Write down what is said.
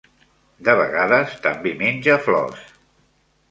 De vegades també menja flors.